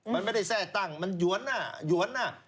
มันไม่ได้แทร่ตั้งมันหยวนน่ะหยวน